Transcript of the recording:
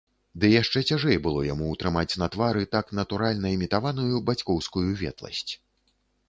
Ды яшчэ цяжэй было яму ўтрымаць на твары так натуральна імітаваную бацькоўскую ветласць.